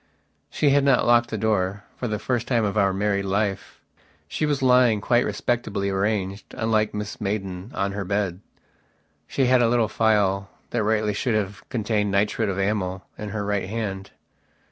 She had not locked the doorfor the first time of our married life. She was lying, quite respectably arranged, unlike Mrs Maidan, on her bed. She had a little phial that rightly should have contained nitrate of amyl, in her right hand.